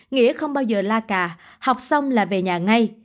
nghĩa không bao giờ la cà học xong là về nhà ngay